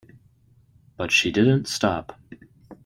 But she didn't stop.